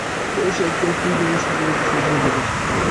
বেশ, একেবারে ফুলবাবু সেজেছ দেখছি।